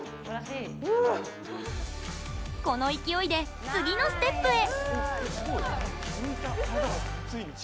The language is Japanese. この勢いで次のステップへ。